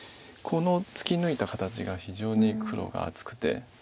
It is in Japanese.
この突き抜いた形が非常に黒が厚くて。